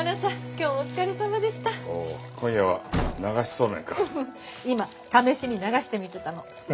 今試しに流してみてたの。